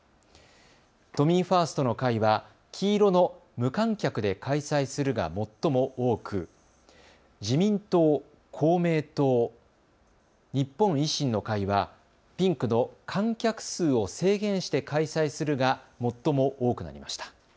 都民ファーストの会は黄色の無観客で開催するが最も多く、自民党、公明党、日本維新の会はピンクの観客数を制限して開催するが最も多くなりました。